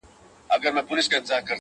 څومره ښکلې دي کږه توره مشوکه؛